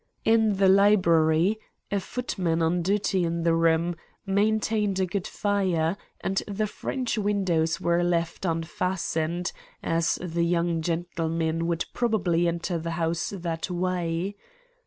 "In the library a footman, on duty in the room, maintained a good fire, and the French windows were left unfastened, as the young gentlemen would probably enter the house that way.